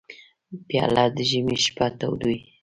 پیاله د ژمي شپه تودوي.